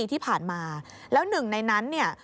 ที่ผ่านมาแล้วหนึ่งในนั้นเนี่ย